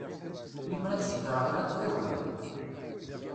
Lemmer ad s-ssutreɣ kra ad tagi?